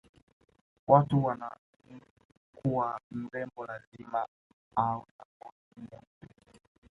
watu wanaoamini kuwa mrembo lazima uwe na ngozi nyeupe